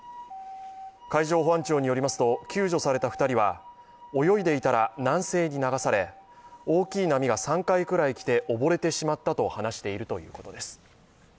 海上保安庁によりますと、救助された２人は泳いでいたら南西に流され、大きい波が３回くらいきて溺れてしまったと話しているということです。